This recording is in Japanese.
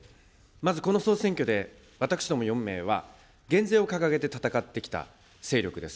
まずこの総選挙で、私ども４名は、減税を掲げて戦ってきた勢力です。